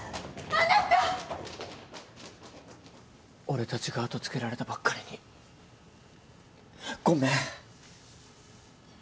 俺たちが後つけられたばっかりにごめん。